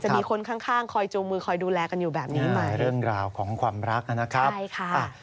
มีคนข้างข้างคอยจูงมือคอยดูแลกันอยู่แบบนี้ไหมเรื่องราวของความรักนะครับใช่ค่ะ